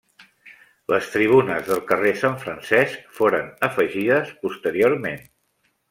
Les tribunes del carrer Sant Francesc foren afegides posteriorment.